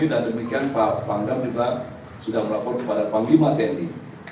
dan demikian pak panggang sudah melapor kepada panggi mateli